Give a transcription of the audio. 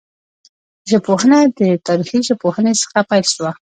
ژبپوهنه د تاریخي ژبپوهني څخه پیل سوه.